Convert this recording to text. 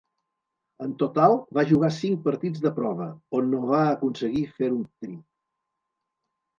En total, va jugar cinc partits de prova, on no va aconseguir fer un try.